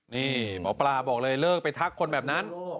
นี่หมอปลาบอกเลยเลิกไปทักคนแบบนั้น